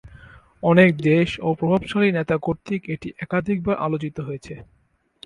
অনেক দেশ ও প্রভাবশালী নেতা কর্তৃক এটি একাধিকবার আলোচিত হয়েছে।